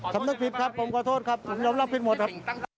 ขับนักภิกษ์ครับผมขอโทษครับผมยอมรับภิกษ์หมดครับ